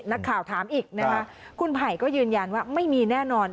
นักข่าวถามอีกนะคะคุณไผ่ก็ยืนยันว่าไม่มีแน่นอน